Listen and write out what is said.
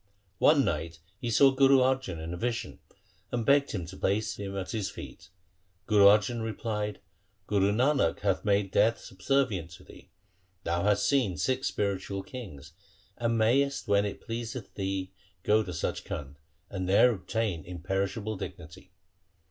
One night he saw Guru Arjan in a vision, and begged him to place him at his feet. Guru Arjan replied, ' Guru Nanak hath made death subservient to thee. Thou hast seen six spiritual kings, and mayest when it pleaseth thee go to Sach Khand, and there obtain imperishable dignity.'